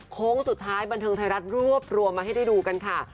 โค้งสุดท้ายบันเทิงไทยรัฐรวบรวมมาให้ได้ดูกันค่ะ